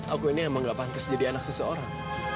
aku ini emang gak pantas jadi anak seseorang